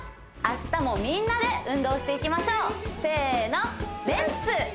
明日もみんなで運動していきましょうせの「レッツ！